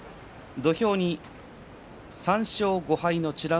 土俵に３勝５敗の美ノ